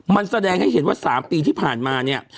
มันแสดงให้เห็นว่า๓ปีที่ผ่านมาเนี่ย